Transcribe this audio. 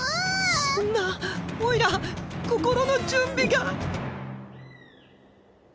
そんなおいら心の準備が。